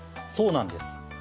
そうなんです。